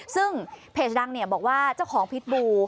ซึ่งเพจดังเนี่ยบอกว่าเจ้าของพิษบู